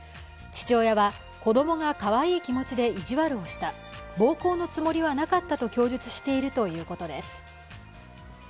父親は、子供がかわいい気持ちで意地悪をした暴行のつもりはなかったと供述しているということです。